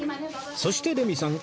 そしてレミさん